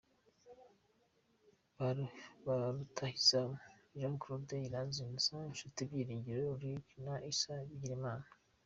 Ba rutahizamu: Jean Claude Iranzi, Innocent Nshuti, Byiringiro Lague na Issa Bigirimana.